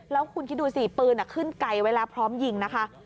แล้วคุณคิดดูสิปืนขึ้นไกลไว้แล้วพร้อมยิงนะคะ